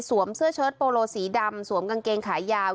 เสื้อเชิดโปโลสีดำสวมกางเกงขายาว